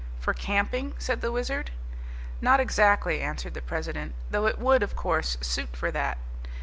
"For camping?" said the Wizard. "Not exactly," answered the president, "though it would, of course, suit for that.